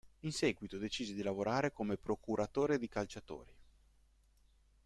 In seguito decise di lavorare come procuratore di calciatori.